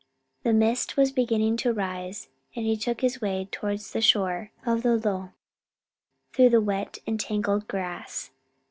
The mist was beginning to rise, and he took his way towards the shore of the lough, through the wet and tangled grass.